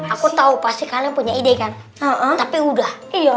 aku tahu pasti kalian punya ide kan tapi udah iya